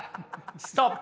ストップ。